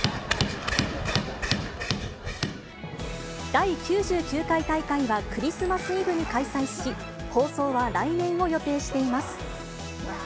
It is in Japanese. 第９９回大会は、クリスマスイブに開催し、放送は来年を予定しています。